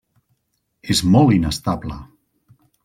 És molt inestable.